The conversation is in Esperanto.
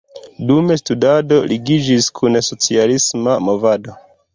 Dum studado ligiĝis kun socialisma movado.